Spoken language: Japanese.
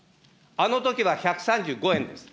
あのときは１３５円です。